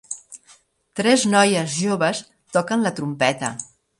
Tres noies joves toquen la trompeta.